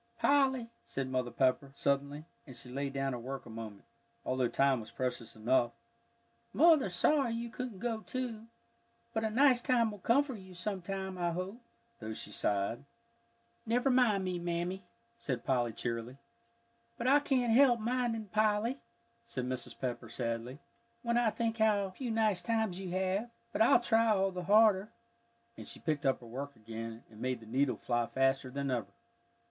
"Polly," said Mother Pepper, suddenly, and she laid down her work a moment, although time was precious enough, "Mother's sorry you couldn't go, too. But a nice time will come for you sometime, I hope," though she sighed. "Never mind me, Mammy," said Polly, cheerily. "But I can't help minding, Polly," said Mrs. Pepper, sadly, "when I think how few nice times you have. But I'll try all the harder." And she picked up her work again, and made the needle fly faster than ever.